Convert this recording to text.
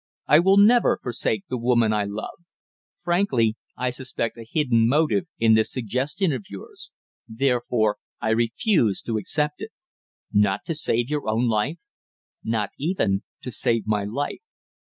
"I will never forsake the woman I love. Frankly, I suspect a hidden motive in this suggestion of yours; therefore I refuse to accept it." "Not to save your own life?" "Not even to save my life.